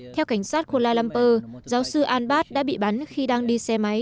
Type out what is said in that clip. theo cảnh sát kuala lumpur giáo sư al bad đã bị bắn khi đang đi xe máy